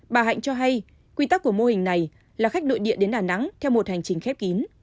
bà hạnh cho hay quy tắc của mô hình này là khách nội địa đến đà nẵng theo một hành trình khép kín